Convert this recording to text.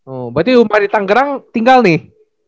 oh berarti umpama di tanggerang tinggal nih